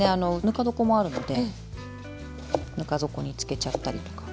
ぬか床もあるのでぬか床に漬けちゃったりとか。